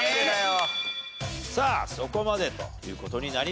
さあそこまでという事になりました。